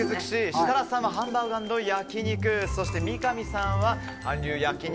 設楽さんはハンバーグ＆焼肉。そして三上さんは韓流焼肉